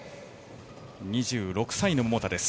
２６歳の桃田です。